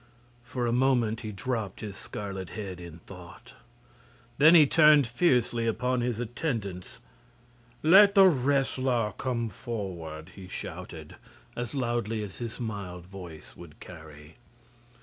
For a moment he dropped his scarlet head in thought. Then he turned fiercely upon his attendants. "Let the Wrestler come forward!" he shouted, as loudly as his mild voice would carry.